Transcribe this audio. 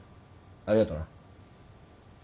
ありがとな。